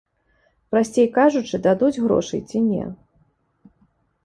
Прасцей кажучы, дадуць грошай ці не?